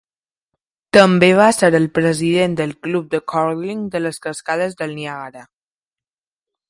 També va ser el president del Club de curling de les Cascades del Niàgara.